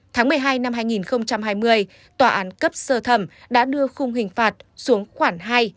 tháng một mươi hai năm hai nghìn hai mươi tòa án cấp sơ thẩm đã đưa khung hình phạt xuống khoảng hai